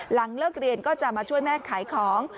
หลังเลิกเรียนก็จะมาช่วยแม่ขายของ